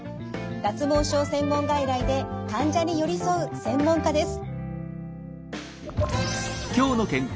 脱毛症専門外来で患者に寄り添う専門家です。